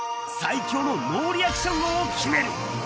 最強のノーリアクション王を決める。